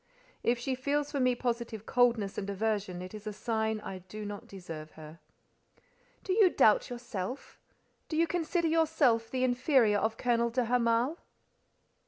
If she feels for me positive coldness and aversion, it is a sign I do not deserve her." "Do you doubt yourself? Do you consider yourself the inferior of Colonel de Hamal?"